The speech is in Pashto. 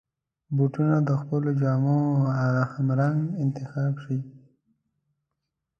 بوټونه د خپلو جامو همرنګ انتخاب شي.